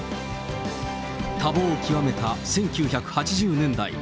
多忙を極めた１９８０年代。